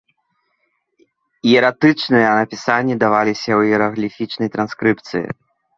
Іератычныя напісанні даваліся ў іерагліфічнай транскрыпцыі.